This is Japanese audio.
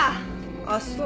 あっそう。